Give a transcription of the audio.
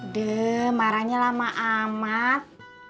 deh marahnya lama amat